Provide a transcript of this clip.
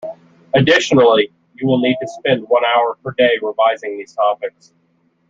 Additionally you will need to spend one hour per day revising these topics.